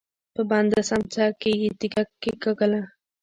په بنده سمڅه کې يې تيږه کېکاږله.